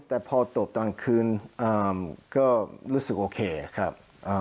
แต่พอตบตอนคืนก็รู้สึกโอเคครับ